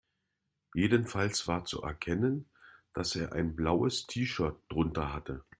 Jedenfalls war zu erkennen, dass er ein blaues T-Shirt drunter hatte.